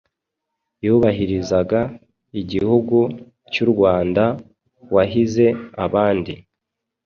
yubahiriza igihugu cy,urwanda wahize abandi